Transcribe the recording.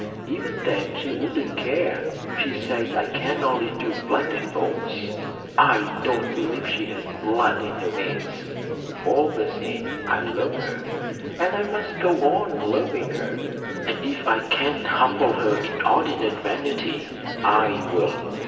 Even then she wouldn't care. She says I can only do blood and bones. I don't believe she has blood in her veins. All the same I love her; and I must go on loving her; and if I can humble her inordinate vanity I will.